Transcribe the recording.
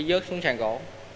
dớt xuống sàn cổ